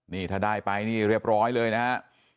นี่ถ้าได้ไปเรียบร้อยเลยนะครับ